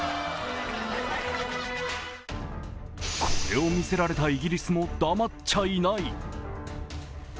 これを見せられたイギリスも黙っちゃいない。